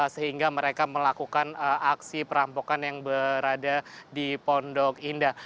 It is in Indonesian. sehingga mereka melakukan aksi perampokan yang berada di pondok indah